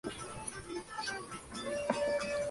Regresó a España e ingresó en la Falange.